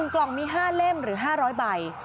กล่องมี๕เล่มหรือ๕๐๐ใบ